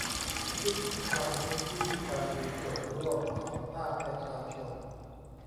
ที่คุกคามพื้นที่การมีส่วนร่วมของภาคประชาชน